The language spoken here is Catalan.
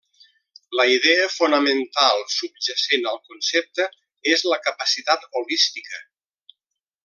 La idea fonamental subjacent al concepte és la capacitat holística.